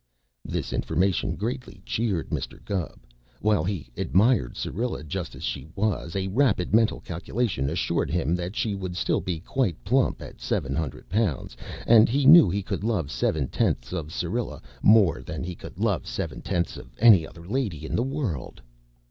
This information greatly cheered Mr. Gubb. While he admired Syrilla just as she was, a rapid mental calculation assured him that she would still be quite plump at seven hundred pounds and he knew he could love seven tenths of Syrilla more than he could love ten tenths of any other lady in the world.